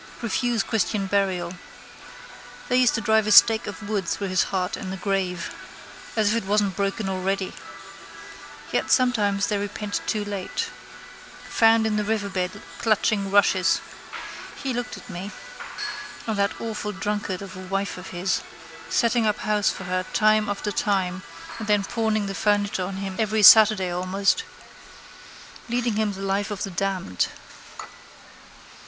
Refuse christian burial. They used to drive a stake of wood through his heart in the grave. As if it wasn't broken already. Yet sometimes they repent too late. Found in the riverbed clutching rushes. He looked at me. And that awful drunkard of a wife of his. Setting up house for her time after time and then pawning the furniture on him every Saturday almost. Leading him the life of the damned.